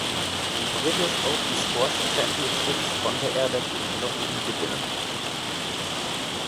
Die British Open Squash Championships konnte er dagegen noch nie gewinnen.